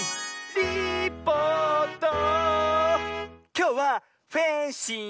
きょうはフェンシング！